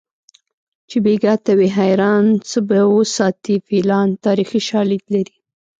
چې بیګا ته وي حیران څه به وساتي فیلان تاریخي شالید لري